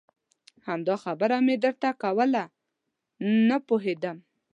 همدا خبره مې درته کوله نه پوهېدم.